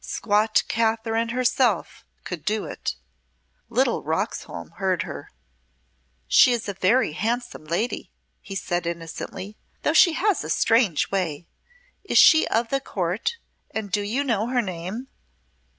Squat Catherine herself could do it." Little Roxholm heard her. "She is a very handsome lady," he said, innocently, "though she has a strange way. Is she of the Court, and do you know her name?"